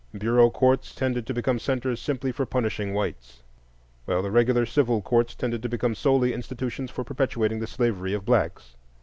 Bureau courts tended to become centres simply for punishing whites, while the regular civil courts tended to become solely institutions for perpetuating the slavery of blacks.